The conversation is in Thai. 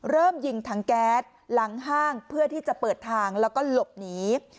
เริ่มยิงถังแก๊สหลังห้างเพื่อที่จะเปิดทางแล้วก็หลบหนี